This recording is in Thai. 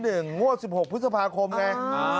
งวด๑๖พฤษภาคมไง